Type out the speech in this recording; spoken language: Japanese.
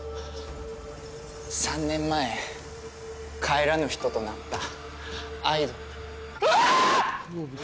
３年前帰らぬ人となったアイドうわぁ！